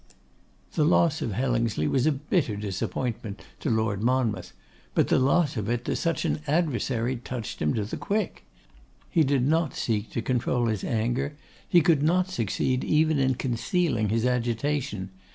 The loss of Hellingsley was a bitter disappointment to Lord Monmouth; but the loss of it to such an adversary touched him to the quick. He did not seek to control his anger; he could not succeed even in concealing his agitation.